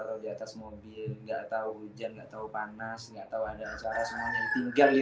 atau di atas mobil nggak tahu hujan nggak tahu panas nggak tahu ada acara semua yang tinggal di